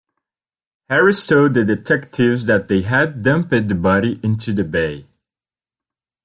Harris told the detectives that they had dumped the body into the bay.